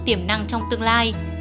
tiềm năng trong tương lai